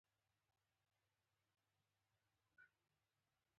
د دندي په موده کي تل ویښ ، بیداره او هڅانده پاته کیدل.